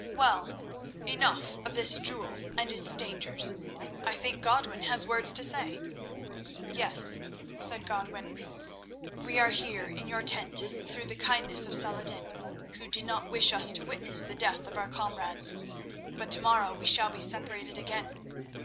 "Well, enough of this jewel and its dangers; I think Godwin has words to say." "Yes," said Godwin. "We are here in your tent through the kindness of Saladin, who did not wish us to witness the death of our comrades, but to morrow we shall be separated again.